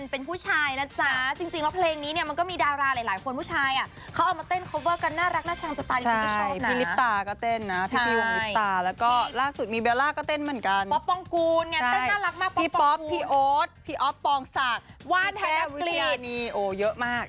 เป็นผู้ชาย๑๐๐